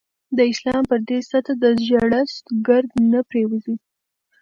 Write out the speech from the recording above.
د اسلام پر دې سطح د زړښت ګرد نه پرېوځي.